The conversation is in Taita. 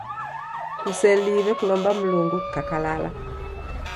Kuseliw'e kulomba Mlungu kukakalala.